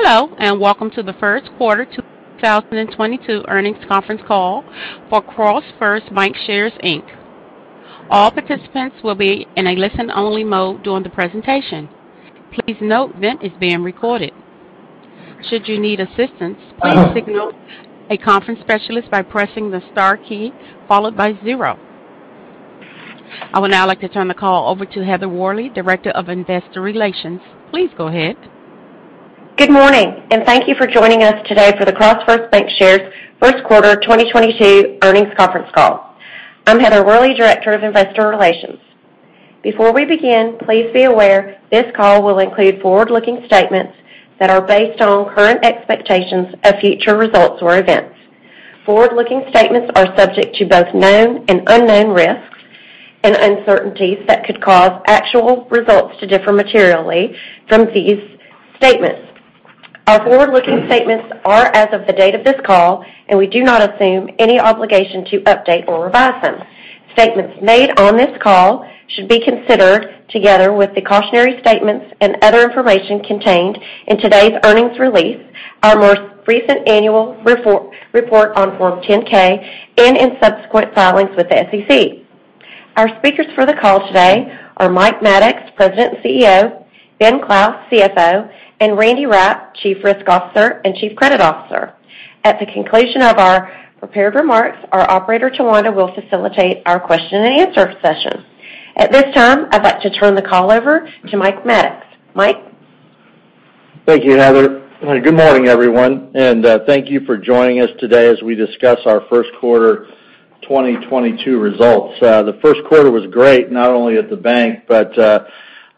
Hello, and welcome to the first quarter 2022 earnings conference call for CrossFirst Bankshares, Inc. All participants will be in a listen-only mode during the presentation. Please note this is being recorded. Should you need assistance, please signal a conference specialist by pressing the star key followed by zero. I would now like to turn the call over to Heather Worley, Director of Investor Relations. Please go ahead. Good morning, and thank you for joining us today for the CrossFirst Bankshares first quarter 2022 earnings conference call. I'm Heather Worley, Director of Investor Relations. Before we begin, please be aware this call will include forward-looking statements that are based on current expectations of future results or events. Forward-looking statements are subject to both known and unknown risks and uncertainties that could cause actual results to differ materially from these statements. Our forward-looking statements are as of the date of this call, and we do not assume any obligation to update or revise them. Statements made on this call should be considered together with the cautionary statements and other information contained in today's earnings release, our most recent annual report on Form 10-K, and in subsequent filings with the SEC. Our speakers for the call today are Mike Maddox, President and CEO, Ben Clouse, CFO, and Randy Rapp, Chief Risk Officer and Chief Credit Officer. At the conclusion of our prepared remarks, our operator, Towanda, will facilitate our question-and-answer session. At this time, I'd like to turn the call over to Mike Maddox. Mike? Thank you, Heather. Good morning, everyone, and thank you for joining us today as we discuss our first quarter 2022 results. The first quarter was great, not only at the bank, but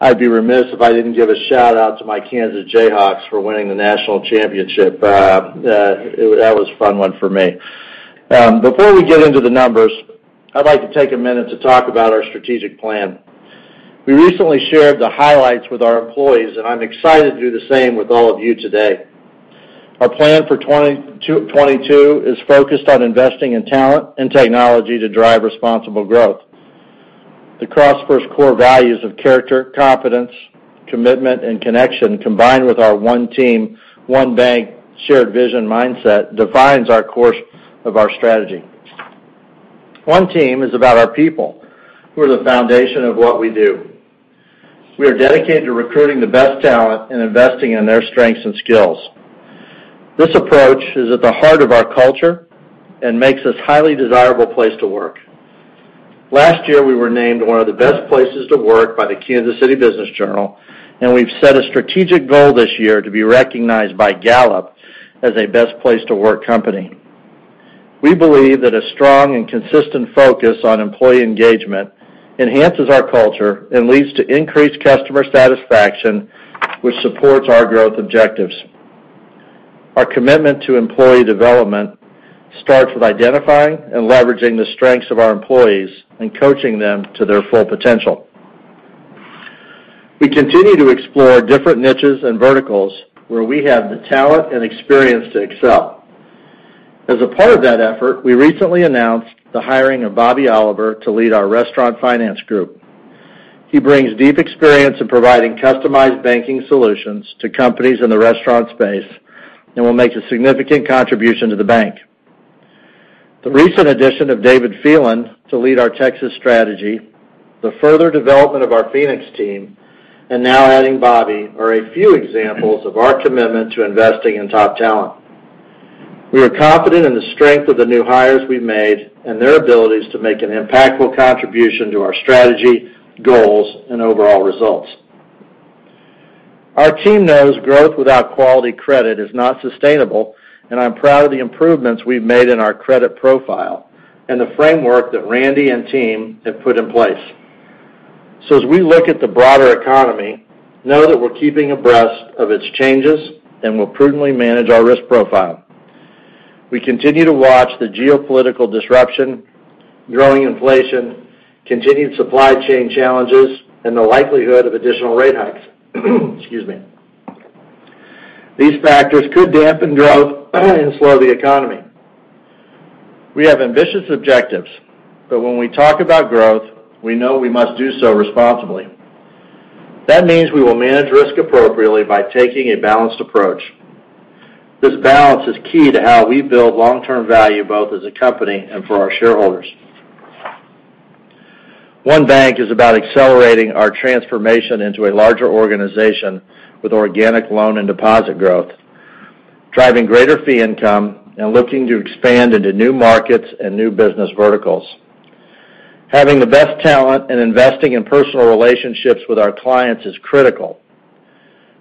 I'd be remiss if I didn't give a shout-out to my Kansas Jayhawks for winning the national championship. That was a fun one for me. Before we get into the numbers, I'd like to take a minute to talk about our strategic plan. We recently shared the highlights with our employees, and I'm excited to do the same with all of you today. Our plan for 2022 is focused on investing in talent and technology to drive responsible growth. The CrossFirst core values of character, confidence, commitment, and connection, combined with our one team, one bank, shared vision mindset defines our course of our strategy. One team is about our people, who are the foundation of what we do. We are dedicated to recruiting the best talent and investing in their strengths and skills. This approach is at the heart of our culture and makes us a highly desirable place to work. Last year, we were named one of the best places to work by the Kansas City Business Journal, and we've set a strategic goal this year to be recognized by Gallup as a best place to work company. We believe that a strong and consistent focus on employee engagement enhances our culture and leads to increased customer satisfaction, which supports our growth objectives. Our commitment to employee development starts with identifying and leveraging the strengths of our employees and coaching them to their full potential. We continue to explore different niches and verticals where we have the talent and experience to excel. As a part of that effort, we recently announced the hiring of Bobby Oliver to lead our Restaurant Finance Group. He brings deep experience in providing customized banking solutions to companies in the restaurant space and will make a significant contribution to the bank. The recent addition of David L. O'Toole to lead our Texas strategy, the further development of our Phoenix team, and now adding Bobby are a few examples of our commitment to investing in top talent. We are confident in the strength of the new hires we've made and their abilities to make an impactful contribution to our strategy, goals, and overall results. Our team knows growth without quality credit is not sustainable, and I'm proud of the improvements we've made in our credit profile and the framework that Randy and team have put in place. As we look at the broader economy, know that we're keeping abreast of its changes and will prudently manage our risk profile. We continue to watch the geopolitical disruption, growing inflation, continued supply chain challenges, and the likelihood of additional rate hikes. Excuse me. These factors could dampen growth and slow the economy. We have ambitious objectives, but when we talk about growth, we know we must do so responsibly. That means we will manage risk appropriately by taking a balanced approach. This balance is key to how we build long-term value, both as a company and for our shareholders. One Bank is about accelerating our transformation into a larger organization with organic loan and deposit growth, driving greater fee income, and looking to expand into new markets and new business verticals. Having the best talent and investing in personal relationships with our clients is critical.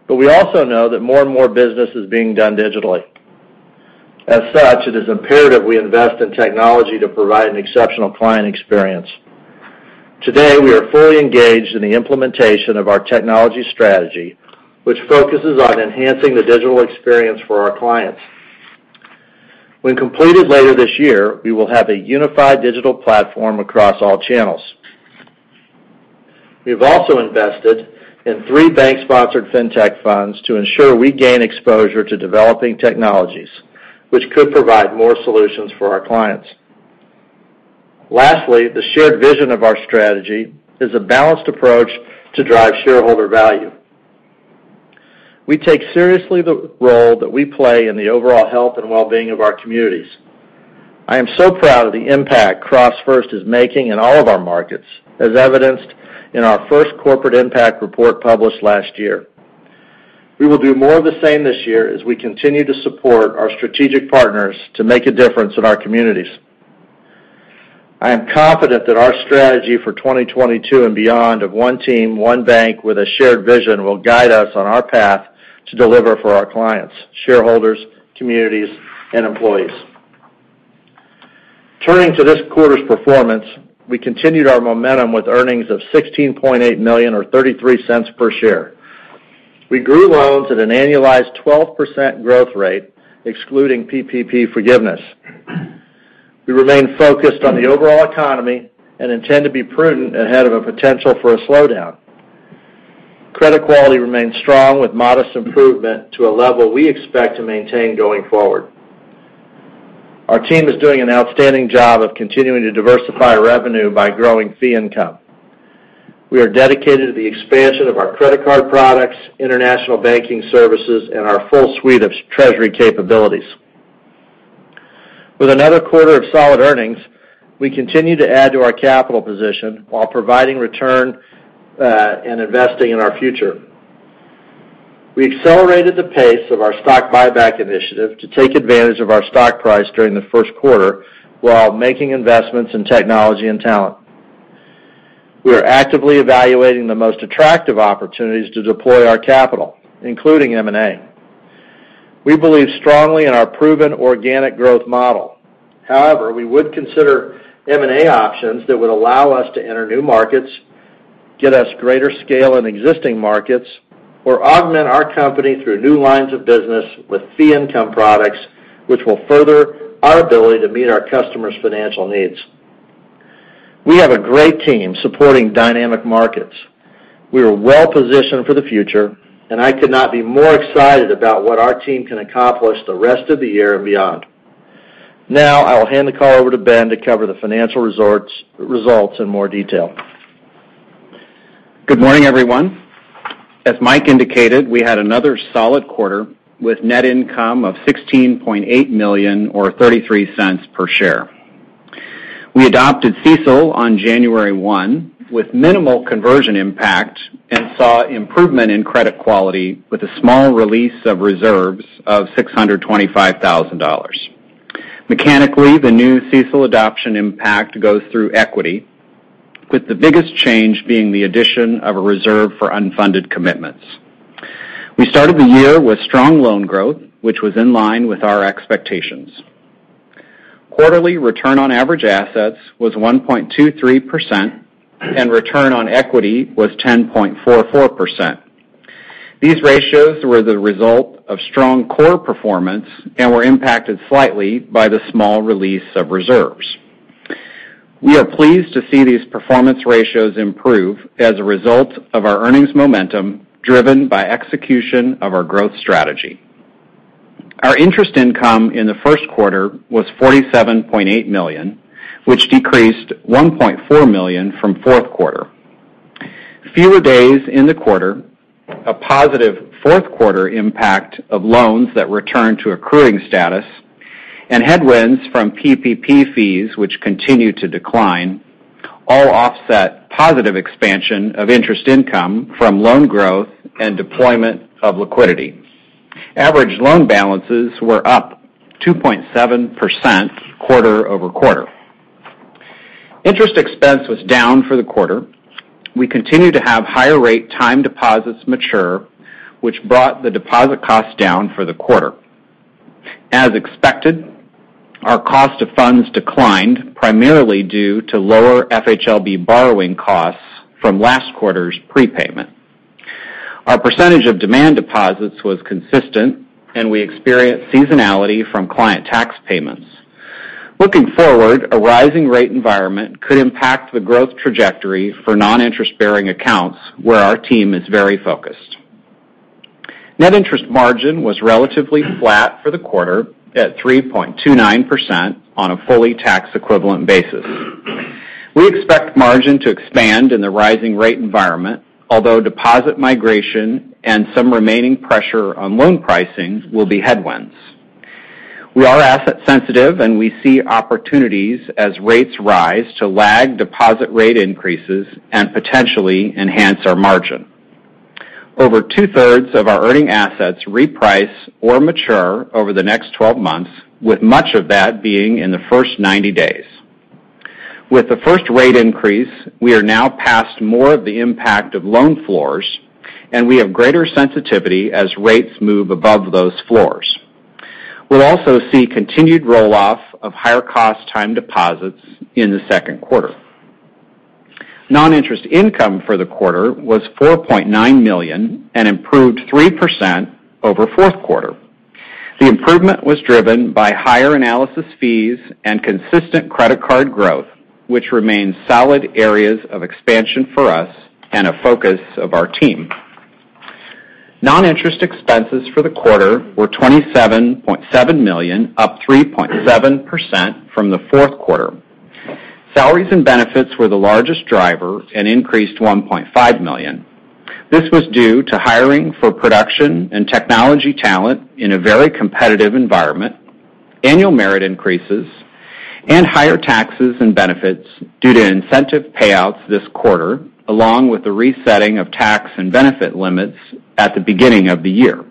We also know that more and more business is being done digitally. As such, it is imperative we invest in technology to provide an exceptional client experience. Today, we are fully engaged in the implementation of our technology strategy, which focuses on enhancing the digital experience for our clients. When completed later this year, we will have a unified digital platform across all channels. We've also invested in three bank-sponsored fintech funds to ensure we gain exposure to developing technologies which could provide more solutions for our clients. Lastly, the shared vision of our strategy is a balanced approach to drive shareholder value. We take seriously the role that we play in the overall health and well-being of our communities. I am so proud of the impact CrossFirst is making in all of our markets, as evidenced in our first corporate impact report published last year. We will do more of the same this year as we continue to support our strategic partners to make a difference in our communities. I am confident that our strategy for 2022 and beyond of one team, one bank with a shared vision will guide us on our path to deliver for our clients, shareholders, communities, and employees. Turning to this quarter's performance, we continued our momentum with earnings of $16.8 million or $0.33 per share. We grew loans at an annualized 12% growth rate excluding PPP forgiveness. We remain focused on the overall economy and intend to be prudent ahead of a potential for a slowdown. Credit quality remains strong with modest improvement to a level we expect to maintain going forward. Our team is doing an outstanding job of continuing to diversify revenue by growing fee income. We are dedicated to the expansion of our credit card products, international banking services, and our full suite of treasury capabilities. With another quarter of solid earnings, we continue to add to our capital position while providing return and investing in our future. We accelerated the pace of our stock buyback initiative to take advantage of our stock price during the first quarter while making investments in technology and talent. We are actively evaluating the most attractive opportunities to deploy our capital, including M&A. We believe strongly in our proven organic growth model. However, we would consider M&A options that would allow us to enter new markets, get us greater scale in existing markets, or augment our company through new lines of business with fee income products, which will further our ability to meet our customers' financial needs. We have a great team supporting dynamic markets. We are well-positioned for the future, and I could not be more excited about what our team can accomplish the rest of the year and beyond. Now, I will hand the call over to Ben to cover the financial results in more detail. Good morning, everyone. As Mike indicated, we had another solid quarter with net income of $16.8 million or $0.33 per share. We adopted CECL on January 1 with minimal conversion impact and saw improvement in credit quality with a small release of reserves of $625,000. Mechanically, the new CECL adoption impact goes through equity, with the biggest change being the addition of a reserve for unfunded commitments. We started the year with strong loan growth, which was in line with our expectations. Quarterly return on average assets was 1.23%, and return on equity was 10.44%. These ratios were the result of strong core performance and were impacted slightly by the small release of reserves. We are pleased to see these performance ratios improve as a result of our earnings momentum driven by execution of our growth strategy. Our interest income in the first quarter was $47.8 million, which decreased $1.4 million from fourth quarter. Fewer days in the quarter, a positive fourth quarter impact of loans that returned to accruing status and headwinds from PPP fees which continue to decline, all offset positive expansion of interest income from loan growth and deployment of liquidity. Average loan balances were up 2.7% quarter-over-quarter. Interest expense was down for the quarter. We continue to have higher rate time deposits mature, which brought the deposit cost down for the quarter. As expected, our cost of funds declined, primarily due to lower FHLB borrowing costs from last quarter's prepayment. Our percentage of demand deposits was consistent, and we experienced seasonality from client tax payments. Looking forward, a rising rate environment could impact the growth trajectory for non-interest-bearing accounts where our team is very focused. Net interest margin was relatively flat for the quarter at 3.29% on a fully tax-equivalent basis. We expect margin to expand in the rising rate environment, although deposit migration and some remaining pressure on loan pricing will be headwinds. We are asset sensitive, and we see opportunities as rates rise to lag deposit rate increases and potentially enhance our margin. Over 2/3 of our earning assets reprice or mature over the next 12 months, with much of that being in the first 90 days. With the first rate increase, we are now past more of the impact of loan floors, and we have greater sensitivity as rates move above those floors. We'll also see continued roll-off of higher cost time deposits in the second quarter. Noninterest income for the quarter was $4.9 million and improved 3% over fourth quarter. The improvement was driven by higher analysis fees and consistent credit card growth, which remains solid areas of expansion for us and a focus of our team. Noninterest expenses for the quarter were $27.7 million, up 3.7% from the fourth quarter. Salaries and benefits were the largest driver and increased $1.5 million. This was due to hiring for production and technology talent in a very competitive environment, annual merit increases, and higher taxes and benefits due to incentive payouts this quarter, along with the resetting of tax and benefit limits at the beginning of the year.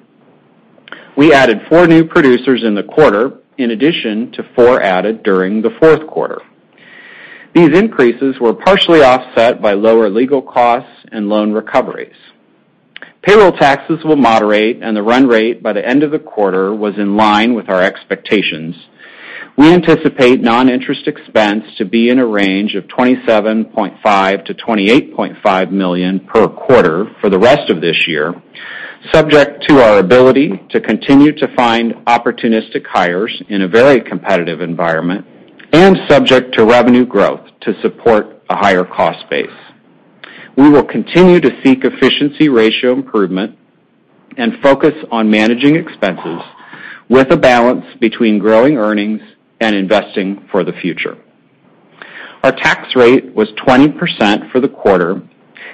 We added four new producers in the quarter in addition to four added during the fourth quarter. These increases were partially offset by lower legal costs and loan recoveries. Payroll taxes will moderate and the run rate by the end of the quarter was in line with our expectations. We anticipate noninterest expense to be in a range of $27.5 million-$28.5 million per quarter for the rest of this year, subject to our ability to continue to find opportunistic hires in a very competitive environment and subject to revenue growth to support a higher cost base. We will continue to seek efficiency ratio improvement and focus on managing expenses with a balance between growing earnings and investing for the future. Our tax rate was 20% for the quarter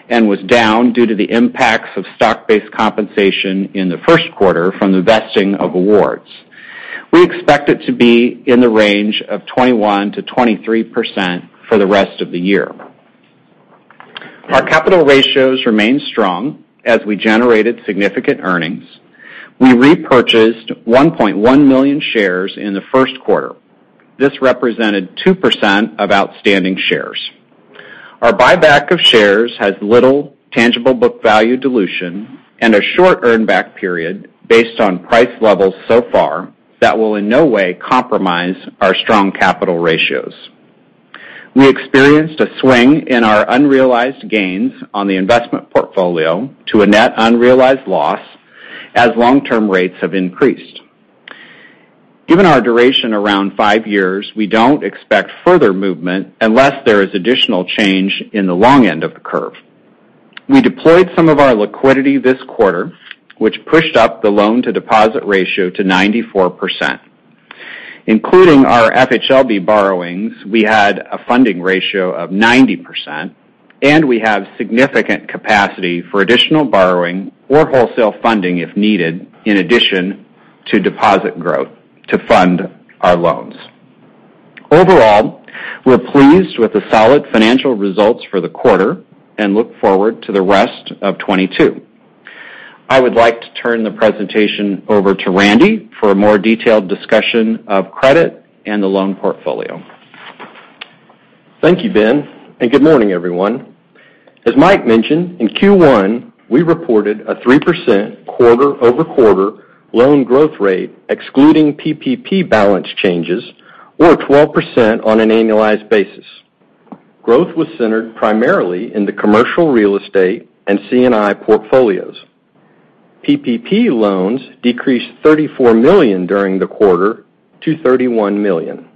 and was down due to the impacts of stock-based compensation in the first quarter from the vesting of awards. We expect it to be in the range of 21%-23% for the rest of the year. Our capital ratios remain strong as we generated significant earnings. We repurchased 1.1 million shares in the first quarter. This represented 2% of outstanding shares. Our buyback of shares has little tangible book value dilution and a short earn back period based on price levels so far that will in no way compromise our strong capital ratios. We experienced a swing in our unrealized gains on the investment portfolio to a net unrealized loss as long-term rates have increased. Given our duration around five years, we don't expect further movement unless there is additional change in the long end of the curve. We deployed some of our liquidity this quarter, which pushed up the loan-to-deposit ratio to 94%. Including our FHLB borrowings, we had a funding ratio of 90%, and we have significant capacity for additional borrowing or wholesale funding if needed in addition to deposit growth to fund our loans. Overall, we're pleased with the solid financial results for the quarter and look forward to the rest of 2022. I would like to turn the presentation over to Randy for a more detailed discussion of credit and the loan portfolio. Thank you, Ben, and good morning, everyone. As Mike mentioned, in Q1, we reported a 3% quarter-over-quarter loan growth rate excluding PPP balance changes or 12% on an annualized basis. Growth was centered primarily in the commercial real estate and C&I portfolios. PPP loans decreased $34 million during the quarter to $31 million.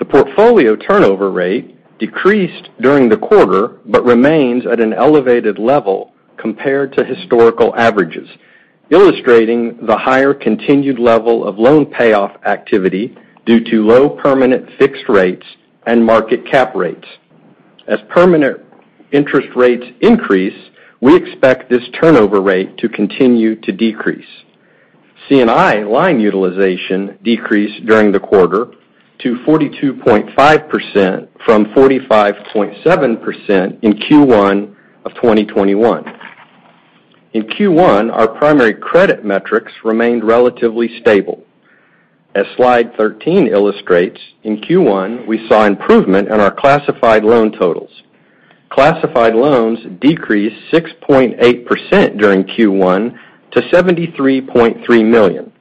The portfolio turnover rate decreased during the quarter but remains at an elevated level compared to historical averages, illustrating the higher continued level of loan payoff activity due to low permanent fixed rates and market cap rates. As permanent interest rates increase, we expect this turnover rate to continue to decrease. C&I line utilization decreased during the quarter to 42.5% from 45.7% in Q1 of 2021. In Q1, our primary credit metrics remained relatively stable. As Slide 13 illustrates, in Q1, we saw improvement in our classified loan totals. Classified loans decreased 6.8% during Q1 to $73.3 million.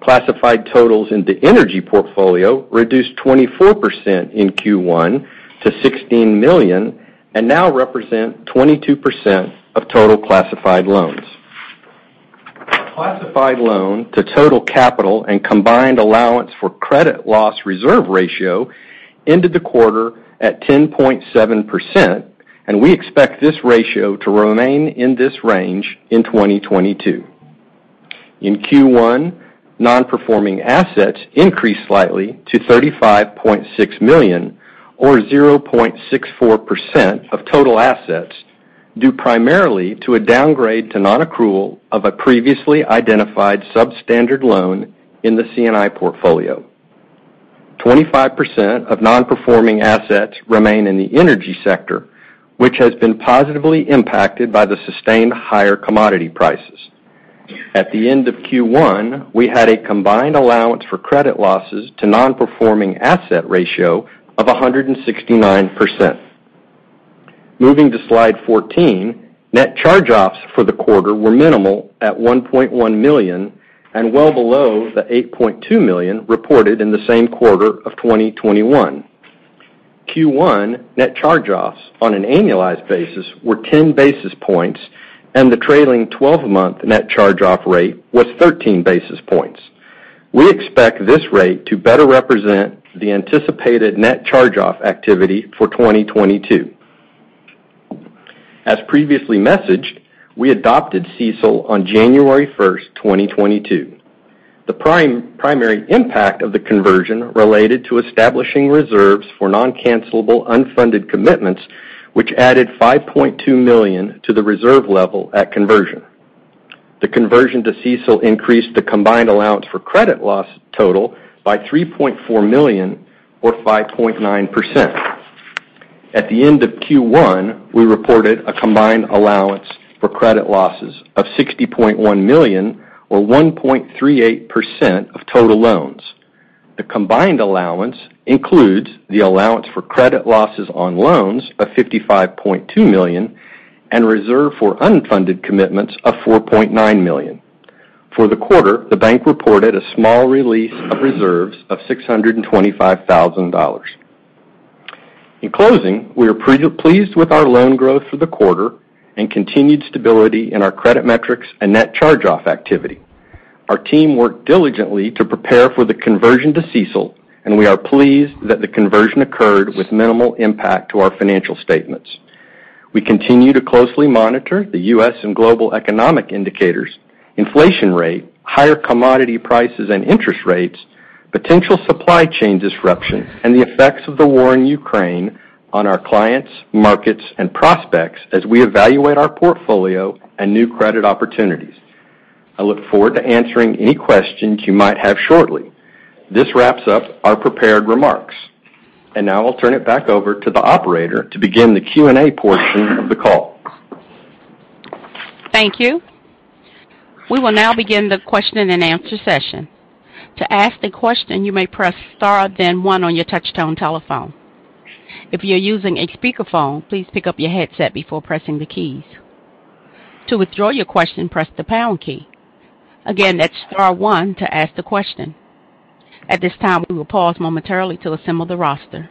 Classified totals in the energy portfolio reduced 24% in Q1 to $16 million and now represent 22% of total classified loans. A classified loan to total capital and combined allowance for credit loss reserve ratio ended the quarter at 10.7%, and we expect this ratio to remain in this range in 2022. In Q1, nonperforming assets increased slightly to $35.6 million or 0.64% of total assets, due primarily to a downgrade to nonaccrual of a previously identified substandard loan in the C&I portfolio. 25% of nonperforming assets remain in the energy sector, which has been positively impacted by the sustained higher commodity prices. At the end of Q1, we had a combined allowance for credit losses to nonperforming asset ratio of 169%. Moving to Slide 14, net charge-offs for the quarter were minimal at $1.1 million and well below the $8.2 million reported in the same quarter of 2021. Q1 net charge-offs on an annualized basis were 10 basis points and the trailing twelve-month net charge-off rate was 13 basis points. We expect this rate to better represent the anticipated net charge-off activity for 2022. As previously messaged, we adopted CECL on January 1st, 2022. The primary impact of the conversion related to establishing reserves for non-cancelable unfunded commitments, which added $5.2 million to the reserve level at conversion. The conversion to CECL increased the combined allowance for credit loss total by $3.4 million or 5.9%. At the end of Q1, we reported a combined allowance for credit losses of $60.1 million or 1.38% of total loans. The combined allowance includes the allowance for credit losses on loans of $55.2 million and reserve for unfunded commitments of $4.9 million. For the quarter, the bank reported a small release of reserves of $625,000. In closing, we are very pleased with our loan growth for the quarter and continued stability in our credit metrics and net charge-off activity. Our team worked diligently to prepare for the conversion to CECL, and we are pleased that the conversion occurred with minimal impact to our financial statements. We continue to closely monitor the U.S. and global economic indicators, inflation rate, higher commodity prices and interest rates, potential supply chain disruption, and the effects of the war in Ukraine on our clients, markets, and prospects as we evaluate our portfolio and new credit opportunities. I look forward to answering any questions you might have shortly. This wraps up our prepared remarks. Now I'll turn it back over to the operator to begin the Q&A portion of the call. Thank you. We will now begin the question and answer session. To ask the question, you may press star then one on your touch tone telephone. If you're using a speakerphone, please pick up your headset before pressing the keys. To withdraw your question, press the pound key. Again, that's star one to ask the question. At this time, we will pause momentarily to assemble the roster.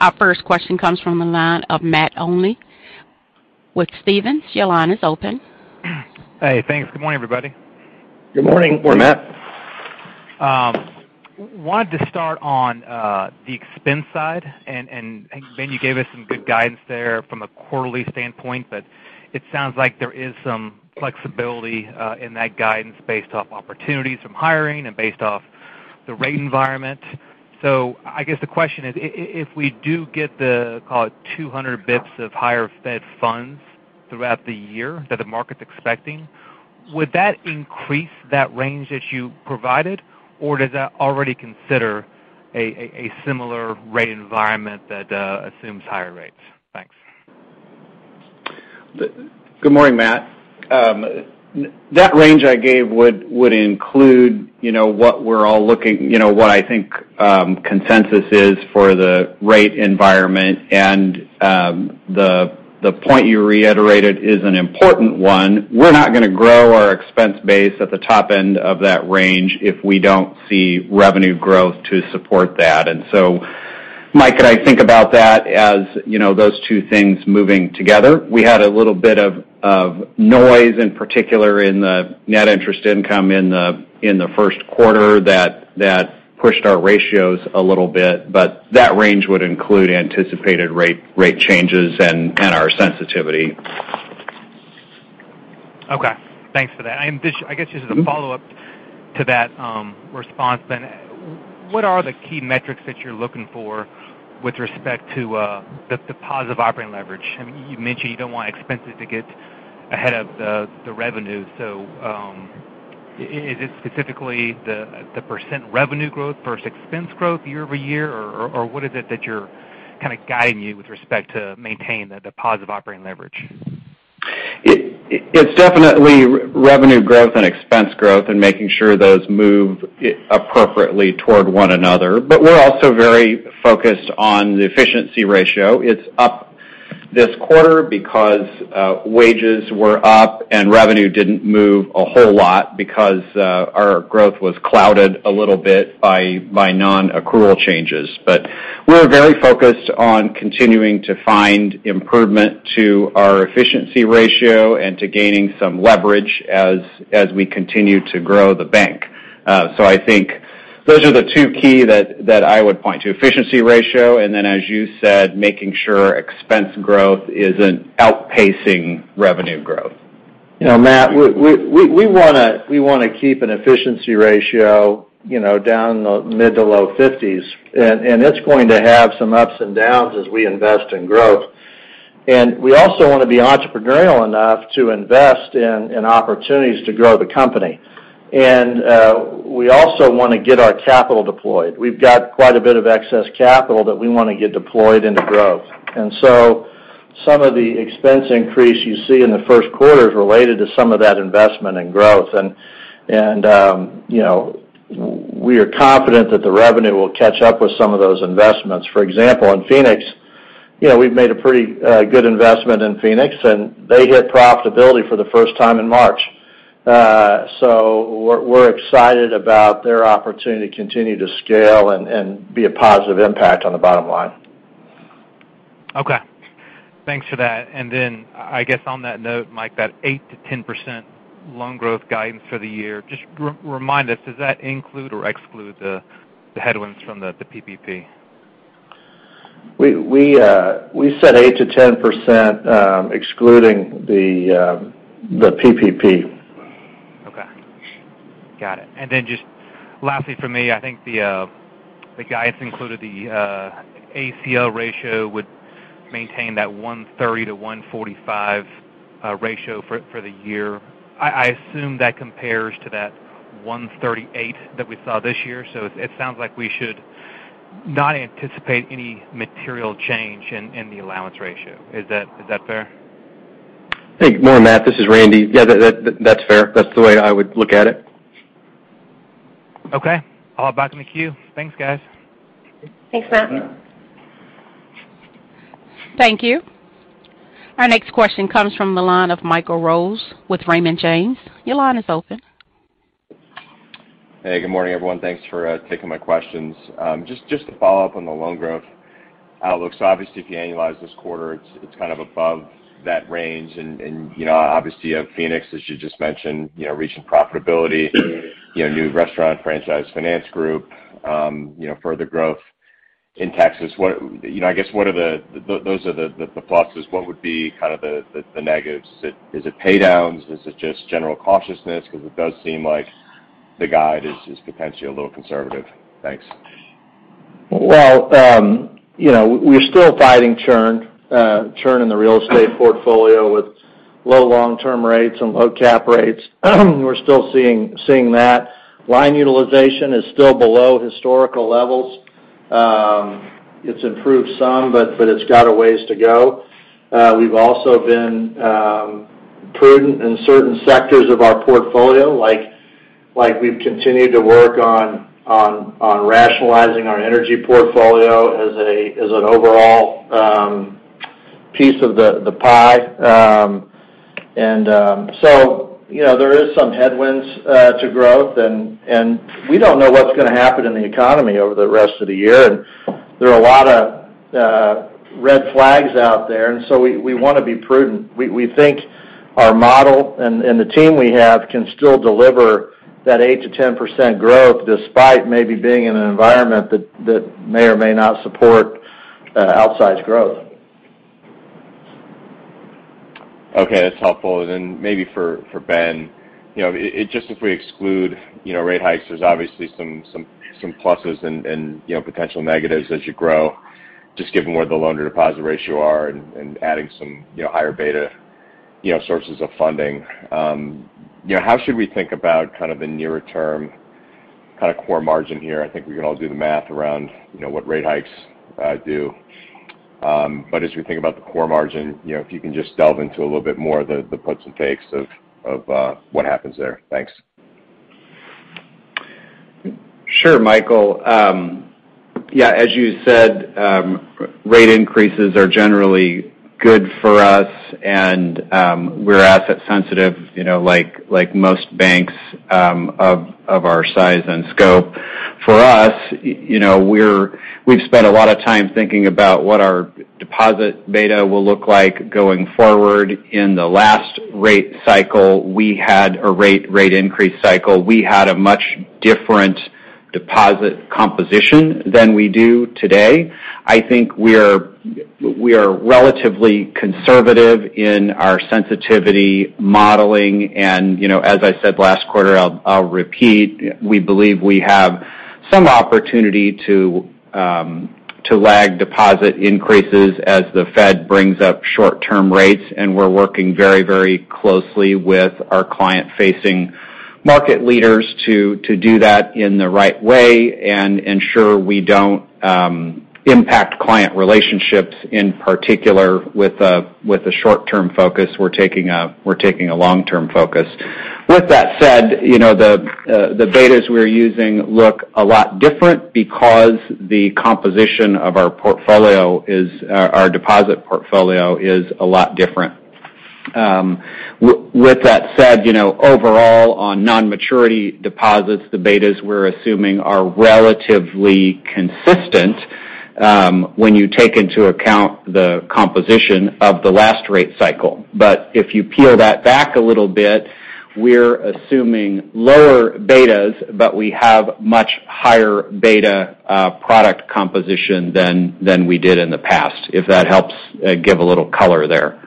Our first question comes from the line of Matt Olney with Stephens. Your line is open. Hey, thanks. Good morning, everybody. Good morning, Matt. I wanted to start on the expense side. Ben, you gave us some good guidance there from a quarterly standpoint, but it sounds like there is some flexibility in that guidance based off opportunities from hiring and based off the rate environment. I guess the question is, if we do get the call it 200 basis points of higher Fed funds throughout the year that the market's expecting, would that increase that range that you provided, or does that already consider a similar rate environment that assumes higher rates? Thanks. Good morning, Matt. That range I gave would include, you know, what I think consensus is for the rate environment. The point you reiterated is an important one. We're not gonna grow our expense base at the top end of that range if we don't see revenue growth to support that. Mike and I think about that as, you know, those two things moving together. We had a little bit of noise, in particular, in the net interest income in the first quarter that pushed our ratios a little bit, but that range would include anticipated rate changes and our sensitivity. Okay. Thanks for that. This, I guess just as a follow-up to that, response then, what are the key metrics that you're looking for with respect to the positive operating leverage? I mean, you mentioned you don't want expenses to get ahead of the revenue. Is it specifically the percent revenue growth versus expense growth year-over-year? Or what is it that you're kind of guiding you with respect to maintain the positive operating leverage? It's definitely revenue growth and expense growth and making sure those move appropriately toward one another. We're also very focused on the efficiency ratio. It's up this quarter because wages were up and revenue didn't move a whole lot because our growth was clouded a little bit by non-accrual changes. We're very focused on continuing to find improvement to our efficiency ratio and to gaining some leverage as we continue to grow the bank. I think those are the two key that I would point to, efficiency ratio, and then as you said, making sure expense growth isn't outpacing revenue growth. You know, Matt, we wanna keep an efficiency ratio, you know, down in the mid- to low-50s, and it's going to have some ups and downs as we invest in growth. We also wanna be entrepreneurial enough to invest in opportunities to grow the company. We also wanna get our capital deployed. We've got quite a bit of excess capital that we wanna get deployed into growth. Some of the expense increase you see in the first quarter is related to some of that investment and growth. You know, we are confident that the revenue will catch up with some of those investments. For example, in Phoenix, you know, we've made a pretty good investment in Phoenix, and they hit profitability for the first time in March. We're excited about their opportunity to continue to scale and be a positive impact on the bottom line. Okay. Thanks for that. I guess on that note, Mike, that 8%-10% loan growth guidance for the year, just remind us, does that include or exclude the headwinds from the PPP? We said 8%-10%, excluding the PPP. Okay. Got it. Just lastly for me, I think the guidance included the ACL ratio would maintain that 1.30-1.45 ratio for the year. I assume that compares to that 1.38 that we saw this year. It sounds like we should not anticipate any material change in the allowance ratio. Is that fair? Hey, good morning, Matt. This is Randy. Yeah. That's fair. That's the way I would look at it. Okay. I'll hop back in the queue. Thanks, guys. Thanks, Matt. Thank you. Our next question comes from the line of Michael Rose with Raymond James. Your line is open. Hey, good morning, everyone. Thanks for taking my questions. Just to follow up on the loan growth outlook. Obviously, if you annualize this quarter, it's kind of above that range. You know, obviously, you have Phoenix, as you just mentioned, you know, reaching profitability, you know, new restaurant franchise finance group, you know, further growth in Texas. You know, I guess what are the negatives? Is it pay downs? Is it just general cautiousness? Because it does seem like the guide is potentially a little conservative. Thanks. Well, you know, we're still fighting churn in the real estate portfolio with low long-term rates and low cap rates. We're still seeing that. Line utilization is still below historical levels. It's improved some, but it's got a ways to go. We've also been prudent in certain sectors of our portfolio, like we've continued to work on rationalizing our energy portfolio as an overall piece of the pie. You know, there is some headwinds to growth and we don't know what's gonna happen in the economy over the rest of the year. There are a lot of red flags out there, and so we wanna be prudent. We think our model and the team we have can still deliver that 8%-10% growth, despite maybe being in an environment that may or may not support outsized growth. Okay. That's helpful. Maybe for Ben, you know, just if we exclude, you know, rate hikes, there's obviously some pluses and, you know, potential negatives as you grow, just given where the loan-to-deposit ratio are and adding some, you know, higher beta, you know, sources of funding. You know, how should we think about kind of the nearer term kinda core margin here? I think we can all do the math around, you know, what rate hikes do. As we think about the core margin, you know, if you can just delve into a little bit more of the puts and takes of what happens there. Thanks. Sure, Michael. Yeah, as you said, rate increases are generally good for us and, we're asset sensitive, you know, like most banks, of our size and scope. For us, you know, we've spent a lot of time thinking about what our deposit beta will look like going forward. In the last rate cycle, we had a rate increase cycle. We had a much different deposit composition than we do today. I think we are relatively conservative in our sensitivity modeling and, you know, as I said last quarter, I'll repeat, we believe we have some opportunity to lag deposit increases as the Fed brings up short-term rates, and we're working very closely with our client-facing market leaders to do that in the right way and ensure we don't impact client relationships, in particular with a short-term focus, we're taking a long-term focus. With that said, you know, the betas we're using look a lot different because the composition of our portfolio is our deposit portfolio is a lot different. With that said, you know, overall on non-maturity deposits, the betas we're assuming are relatively consistent, when you take into account the composition of the last rate cycle. If you peel that back a little bit, we're assuming lower betas, but we have much higher beta product composition than we did in the past, if that helps give a little color there.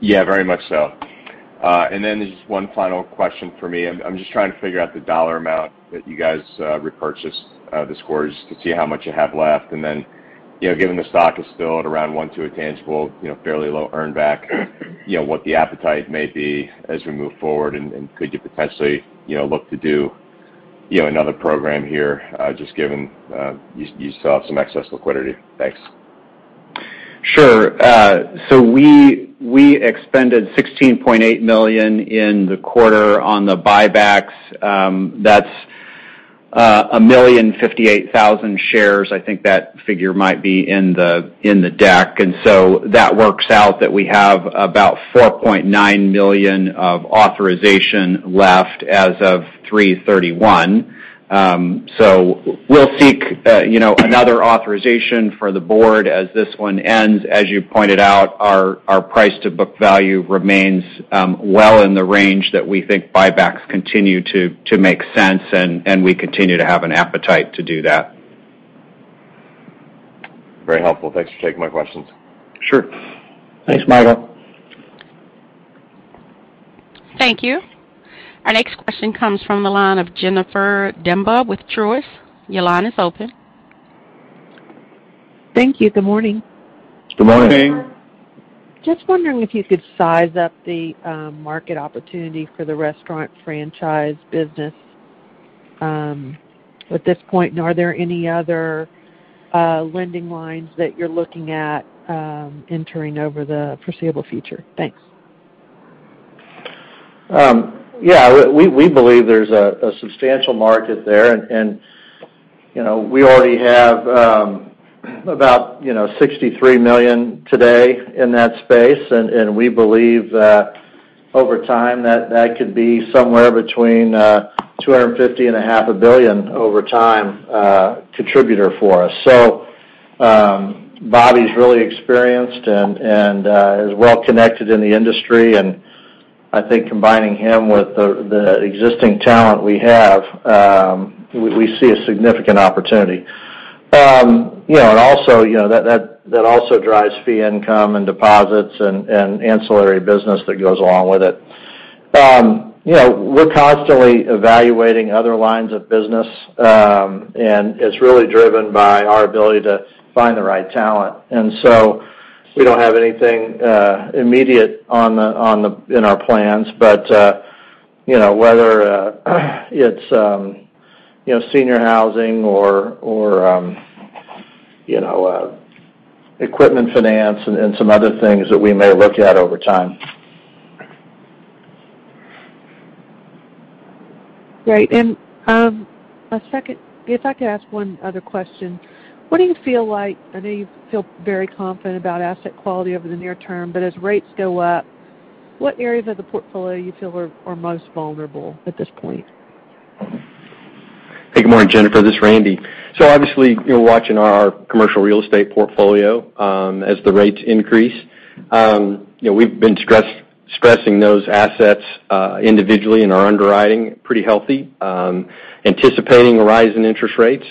Yeah, very much so. Just one final question for me. I'm just trying to figure out the dollar amount that you guys repurchased this quarter, just to see how much you have left. You know, given the stock is still at around one times tangible, you know, fairly low earn back, you know, what the appetite may be as we move forward, and could you potentially, you know, look to do, you know, another program here, just given you still have some excess liquidity. Thanks. Sure, we expended $16.8 million in the quarter on the buybacks. That's 1,058,000 shares. I think that figure might be in the deck. That works out that we have about $4.9 million of authorization left as of 3/31. We'll seek another authorization for the board as this one ends. As you pointed out, our price to book value remains well in the range that we think buybacks continue to make sense, and we continue to have an appetite to do that. Very helpful. Thanks for taking my questions. Sure. Thanks, Michael. Thank you. Our next question comes from the line of Jennifer Demba with Truist. Your line is open. Thank you. Good morning. Good morning. Good morning. Just wondering if you could size up the market opportunity for the restaurant franchise business at this point. Are there any other lending lines that you're looking at entering over the foreseeable future? Thanks. We believe there's a substantial market there and you know, we already have about you know, $63 million today in that space. We believe that over time that could be somewhere between $250 million-$500 million over time contributor for us. Bobby's really experienced and is well connected in the industry. I think combining him with the existing talent we have, we see a significant opportunity. You know, also you know, that also drives fee income and deposits and ancillary business that goes along with it. You know, we're constantly evaluating other lines of business and it's really driven by our ability to find the right talent. We don't have anything immediate in our plans. But you know, whether it's senior housing or equipment finance and some other things that we may look at over time. Great. If I could ask one other question. What do you feel like? I know you feel very confident about asset quality over the near term, but as rates go up, what areas of the portfolio you feel are most vulnerable at this point? Hey, good morning, Jennifer. This is Randy. Obviously, you're watching our commercial real estate portfolio as the rates increase. You know, we've been stressing those assets individually and are underwriting pretty healthy anticipating a rise in interest rates.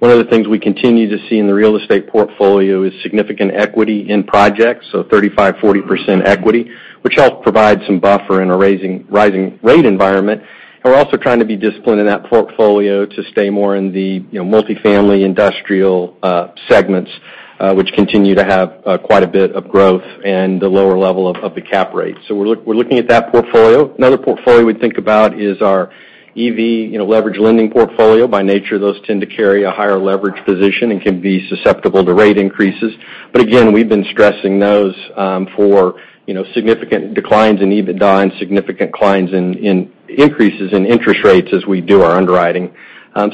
One of the things we continue to see in the real estate portfolio is significant equity in projects, so 35%-40% equity, which helps provide some buffer in a rising rate environment. We're also trying to be disciplined in that portfolio to stay more in the, you know, multifamily industrial segments, which continue to have quite a bit of growth and the lower level of the cap rate. We're looking at that portfolio. Another portfolio we think about is our EV, you know, leverage lending portfolio. By nature, those tend to carry a higher leverage position and can be susceptible to rate increases. Again, we've been stressing those for, you know, significant declines in EBITDA and significant declines in increases in interest rates as we do our underwriting.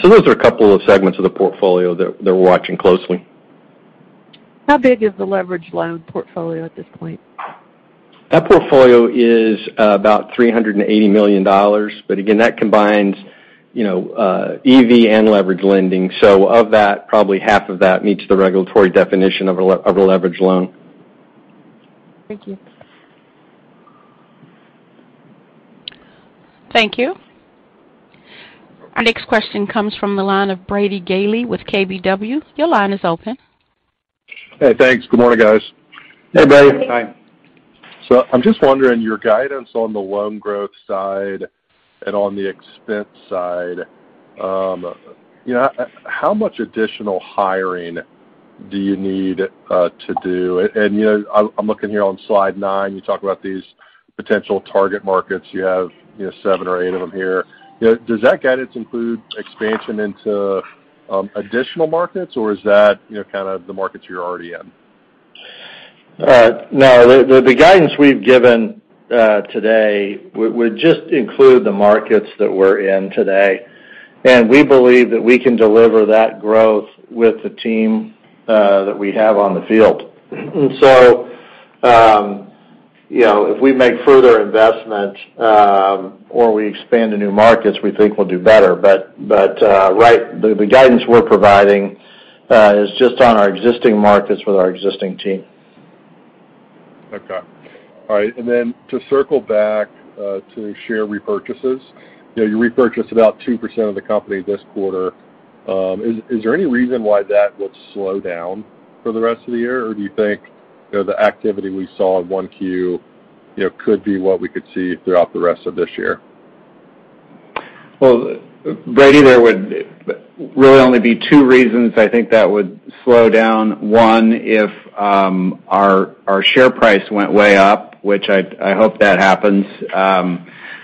Those are a couple of segments of the portfolio that we're watching closely. How big is the leveraged loan portfolio at this point? That portfolio is about $380 million. Again, that combines, you know, EV and leverage lending. Of that, probably half of that meets the regulatory definition of a leverage loan. Thank you. Thank you. Our next question comes from the line of Brady Gailey with KBW. Your line is open. Hey, thanks. Good morning, guys. Hey, Brady. Hi. I'm just wondering, your guidance on the loan growth side and on the expense side, you know, how much additional hiring do you need to do? I'm looking here on slide nine. You talk about these potential target markets. You have seven or eight of them here. Does that guidance include expansion into additional markets, or is that kind of the markets you're already in? All right. No, the guidance we've given today would just include the markets that we're in today. We believe that we can deliver that growth with the team that we have on the field. You know, if we make further investment or we expand to new markets, we think we'll do better. The guidance we're providing is just on our existing markets with our existing team. Okay. All right. To circle back to share repurchases. You know, you repurchased about 2% of the company this quarter. Is there any reason why that would slow down for the rest of the year? Or do you think, you know, the activity we saw in 1Q, you know, could be what we could see throughout the rest of this year? Well, Brady, there would really only be two reasons I think that would slow down. One, if our share price went way up, which I hope that happens.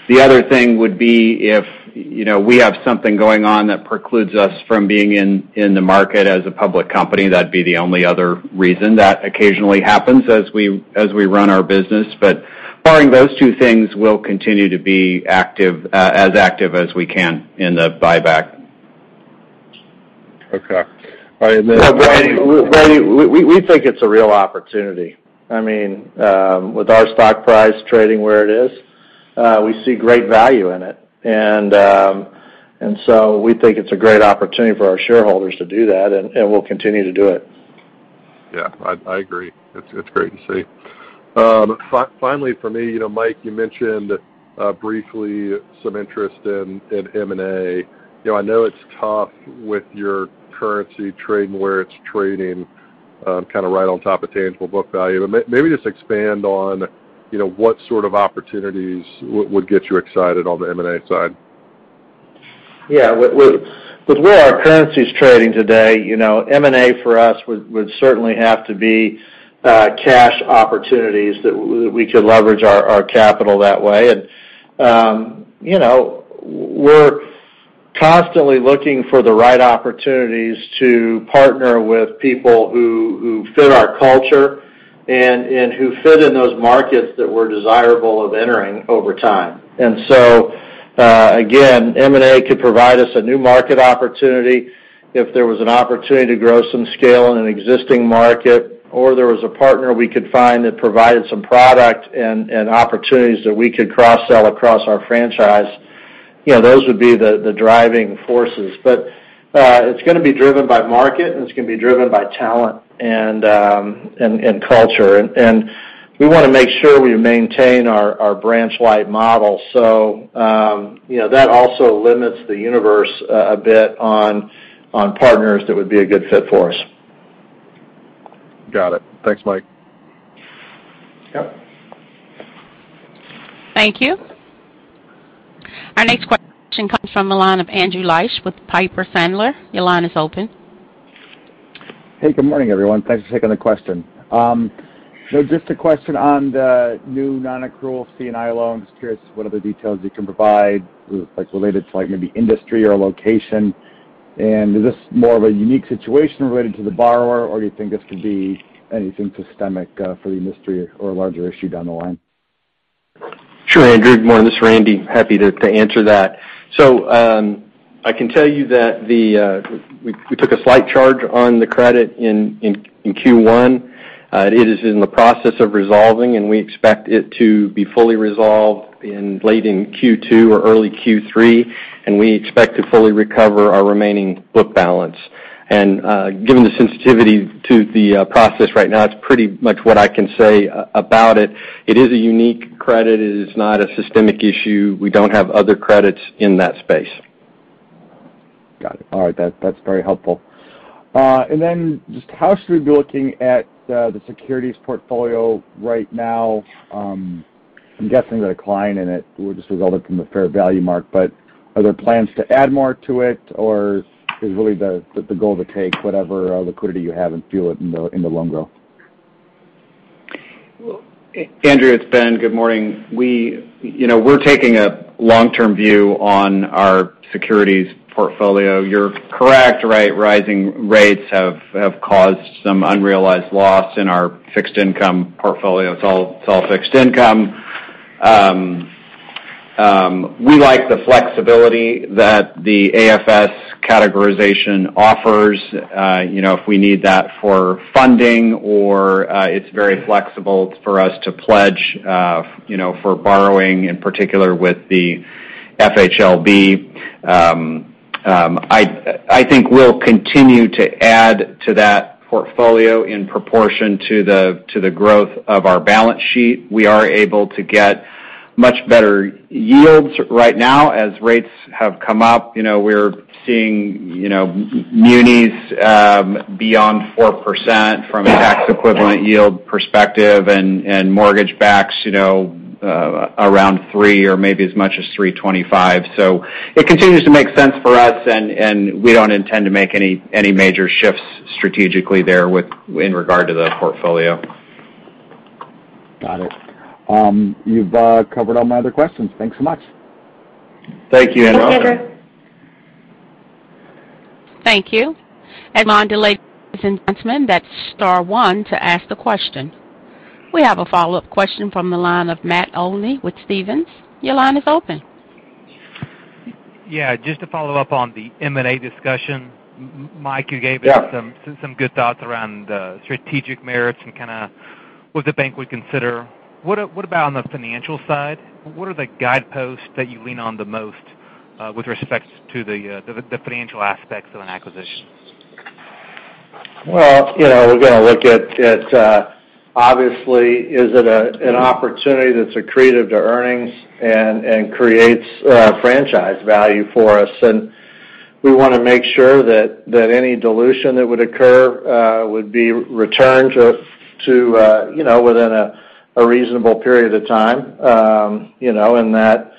The other thing would be if, you know, we have something going on that precludes us from being in the market as a public company. That'd be the only other reason. That occasionally happens as we run our business. Barring those two things, we'll continue to be active, as active as we can in the buyback. Okay. All right. No, Brady, we think it's a real opportunity. I mean, with our stock price trading where it is, we see great value in it. We think it's a great opportunity for our shareholders to do that, and we'll continue to do it. I agree. It's great to see. Finally, for me, you know, Mike, you mentioned briefly some interest in M&A. You know, I know it's tough with your currency trading where it's trading, kind of right on top of tangible book value, but maybe just expand on, you know, what sort of opportunities would get you excited on the M&A side. With where our currency's trading today, you know, M&A for us would certainly have to be cash opportunities that we could leverage our capital that way. We're constantly looking for the right opportunities to partner with people who fit our culture and who fit in those markets that we're desirous of entering over time. Again, M&A could provide us a new market opportunity. If there was an opportunity to grow some scale in an existing market, or there was a partner we could find that provided some product and opportunities that we could cross-sell across our franchise, you know, those would be the driving forces. It's gonna be driven by market, and it's gonna be driven by talent and culture. We wanna make sure we maintain our branch-wide model. You know, that also limits the universe a bit on partners that would be a good fit for us. Got it. Thanks, Mike. Yep. Thank you. Our next question comes from the line of Andrew Liesch with Piper Sandler. Your line is open. Hey, good morning, everyone. Thanks for taking the question. You know, just a question on the new nonaccrual C&I loans. Curious what other details you can provide, like, related to, like, maybe industry or location. Is this more of a unique situation related to the borrower, or you think this could be anything systemic, for the industry or a larger issue down the line? Sure, Andrew. Good morning. This is Randy. Happy to answer that. I can tell you that we took a slight charge on the credit in Q1. It is in the process of resolving, and we expect it to be fully resolved in late Q2 or early Q3, and we expect to fully recover our remaining book balance. Given the sensitivity to the process right now, it's pretty much what I can say about it. It is a unique credit. It is not a systemic issue. We don't have other credits in that space. Got it. All right. That's very helpful. Just how should we be looking at the securities portfolio right now? I'm guessing the decline in it will just result from the fair value mark. Are there plans to add more to it, or is really the goal to take whatever liquidity you have and fuel it in the loan growth? Andrew, it's Ben. Good morning. You know, we're taking a long-term view on our securities portfolio. You're correct, right. Rising rates have caused some unrealized loss in our fixed income portfolio. It's all fixed income. We like the flexibility that the AFS categorization offers, you know, if we need that for funding or it's very flexible for us to pledge, you know, for borrowing, in particular with the FHLB. I think we'll continue to add to that portfolio in proportion to the growth of our balance sheet. We are able to get much better yields right now as rates have come up. You know, we're seeing, you know, munis beyond 4% from a tax equivalent yield perspective, and mortgage backs, you know, around 3% or maybe as much as 3.25%. It continues to make sense for us, and we don't intend to make any major shifts strategically there in regard to the portfolio. Got it. You've covered all my other questions. Thanks so much. Thank you. Thanks, Andrew. Thank you. We have a follow-up question from the line of Matt Olney with Stephens. Your line is open. Yeah. Just to follow up on the M&A discussion. Mike, you gave us some good thoughts around strategic merits and kinda what the bank would consider. What about on the financial side? What are the guideposts that you lean on the most, with respect to the financial aspects of an acquisition? Well, you know, we're gonna look at obviously is it an opportunity that's accretive to earnings and creates franchise value for us. We wanna make sure that any dilution that would occur would be returned to you know, within a reasonable period of time, you know, in that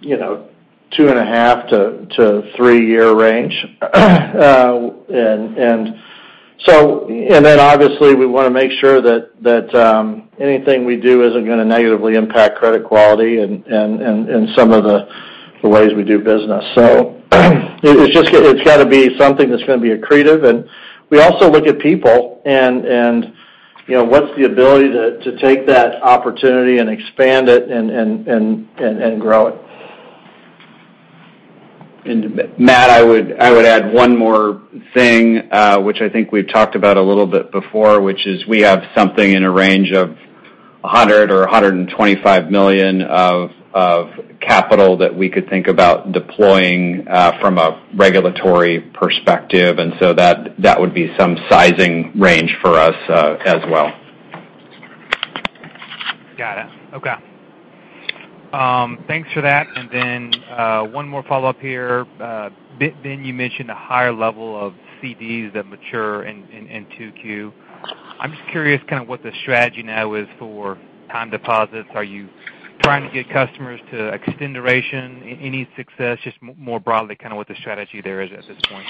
you know, 2.5-3-year range. Obviously, we wanna make sure that anything we do isn't gonna negatively impact credit quality in some of the ways we do business. It's just gotta be something that's gonna be accretive. We also look at people and you know, what's the ability to take that opportunity and expand it and grow it. Matt, I would add one more thing, which I think we've talked about a little bit before, which is we have something in a range of $100 million or $125 million of capital that we could think about deploying from a regulatory perspective. That would be some sizing range for us as well. Got it. Okay. Thanks for that. One more follow-up here. Ben, you mentioned a higher level of CDs that mature in 2Q. I'm just curious kinda what the strategy now is for time deposits. Are you trying to get customers to extend duration? Any success? Just more broadly, kinda what the strategy there is at this point.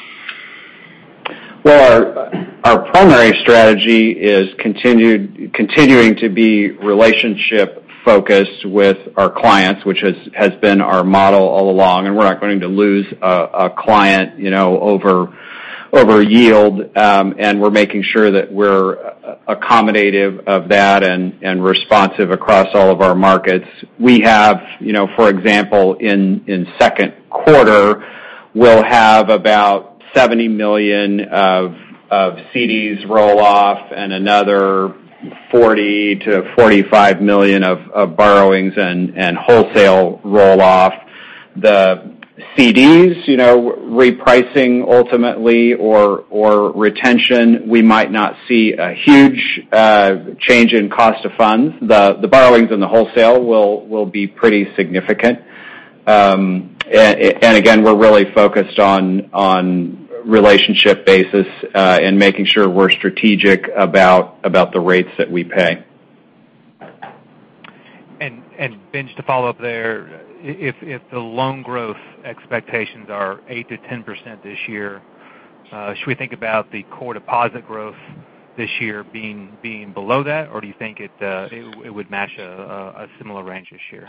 Well, our primary strategy is continuing to be relationship-focused with our clients, which has been our model all along. We're not going to lose a client, you know, over yield. We're making sure that we're accommodative of that and responsive across all of our markets. We have, you know, for example, in second quarter, we'll have about $70 million of CDs roll off and another $40 million-$45 million of borrowings and wholesale roll off. The CDs, you know, repricing ultimately or retention, we might not see a huge change in cost of funds. The borrowings and the wholesale will be pretty significant. And again, we're really focused on relationship basis and making sure we're strategic about the rates that we pay. Ben just to follow up there. If the loan growth expectations are 8%-10% this year, should we think about the core deposit growth this year being below that? Or do you think it would match a similar range this year?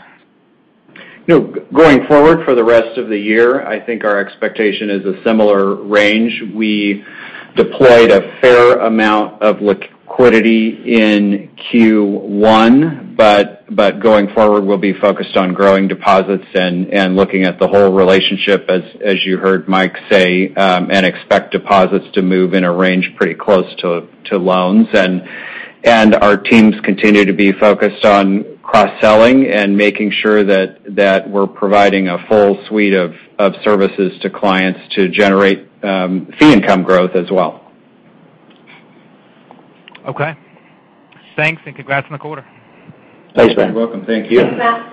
No, going forward for the rest of the year, I think our expectation is a similar range. We deployed a fair amount of liquidity in Q1, but going forward, we'll be focused on growing deposits and looking at the whole relationship, as you heard Mike say, and expect deposits to move in a range pretty close to loans. Our teams continue to be focused on cross-selling and making sure that we're providing a full suite of services to clients to generate fee income growth as well. Okay. Thanks, and congrats on the quarter. Thanks, Ben. You're welcome. Thank you. Thanks, Matt.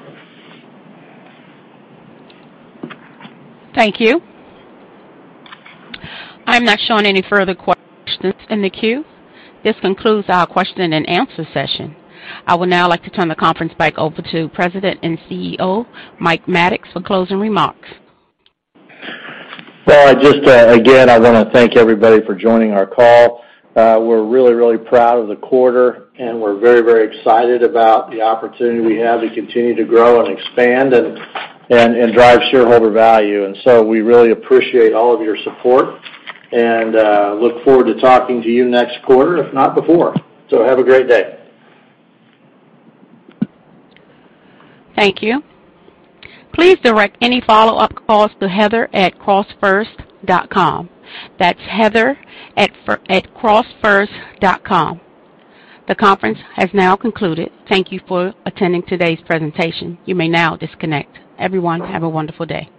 Thank you. I'm not showing any further questions in the queue. This concludes our question-and-answer session. I would now like to turn the conference back over to President and CEO, Mike Maddox, for closing remarks. Well, just, again, I wanna thank everybody for joining our call. We're really proud of the quarter, and we're very excited about the opportunity we have to continue to grow and expand and drive shareholder value. We really appreciate all of your support and look forward to talking to you next quarter, if not before. Have a great day. Thank you. Please direct any follow-up calls to heather@crossfirst.com. That's heather@crossfirst.com. The conference has now concluded. Thank you for attending today's presentation. You may now disconnect. Everyone, have a wonderful day.